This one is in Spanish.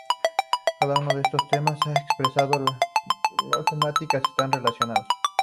Cada uno de estos temas, a excepción de matemáticas, están relacionados.